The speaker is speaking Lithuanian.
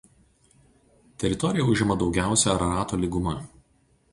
Teritoriją užima daugiausia Ararato lyguma.